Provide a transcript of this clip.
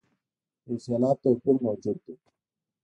د یو سېلاب توپیر موجود دی.